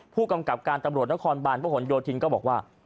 ผู้กำกับการตำรวจนครบานพระหลโยธินก็บอกว่า